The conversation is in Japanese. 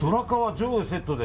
上下セットで。